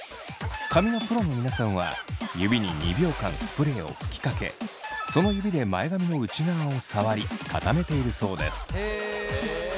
髪のプロの皆さんは指に２秒間スプレーを吹きかけその指で前髪の内側を触り固めているそうです。